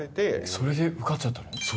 それで受かっちゃったの。